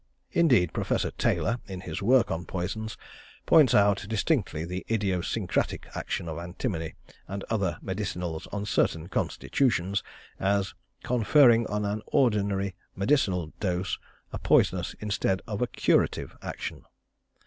Indeed Professor Taylor, in his work on poisons, points out distinctly the "idiosyncratic" action of antimony and other medicinals on certain constitutions, as "conferring on an ordinary medicinal dose a poisonous instead of a curative action."